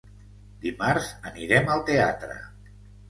Dimarts anirem al teatre.